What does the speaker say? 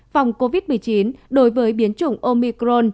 vòng covid một mươi chín đối với biến chủng omicron